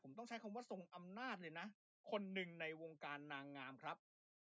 ผมต้องใช้คำว่าทรงอำนาจเลยนะคนหนึ่งในวงการนางงามครับ